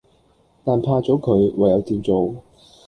但怕左佢，唯有照做